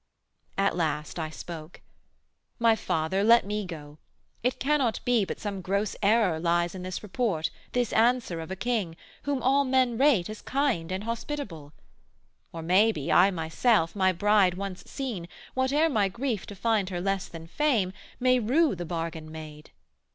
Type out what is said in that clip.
At last I spoke. 'My father, let me go. It cannot be but some gross error lies In this report, this answer of a king, Whom all men rate as kind and hospitable: Or, maybe, I myself, my bride once seen, Whate'er my grief to find her less than fame, May rue the bargain made.'